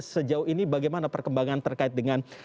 sejauh ini bagaimana perkembangan terkait dengan